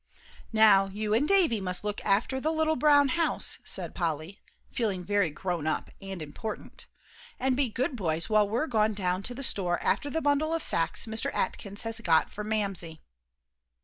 "Now you and Davie must look after the little brown house," said Polly, feeling very grown up and important, "and be good boys while we're gone down to the store after the bundle of sacks Mr. Atkins has got for Mamsie."